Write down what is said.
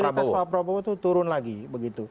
netralitas pak prabowo itu turun lagi begitu